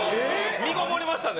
身ごもりましたね。